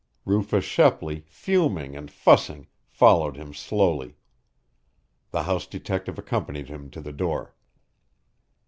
Rufus Shepley, fuming and fussing, followed him slowly. The house detective accompanied him to the door.